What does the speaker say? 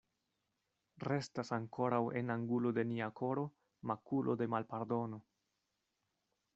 Restas ankoraŭ en angulo de nia koro makulo de malpardono.